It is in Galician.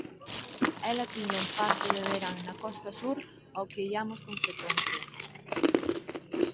Ela tiña un pazo de verán na costa sur ó que iamos con frecuencia.